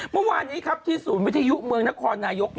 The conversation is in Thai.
เมื่อวานนี้ครับที่ศูนย์วิทยุเมืองนครนายก